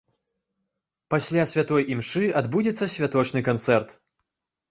Пасля святой імшы адбудзецца святочны канцэрт.